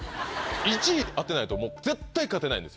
１位当てないともう絶対勝てないんですよ。